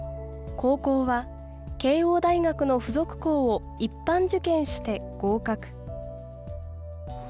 高校は、慶応大学の付属校を一般受験して合格。